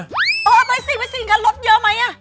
เออเอาไปสินไปสินกันรถเยอะไหมอ่ะ